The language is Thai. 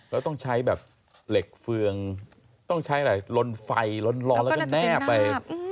แล้วต้องใช้แบบเหล็กเฟืองต้องใช้อะไรลนไฟร้อนแล้วก็แนบไป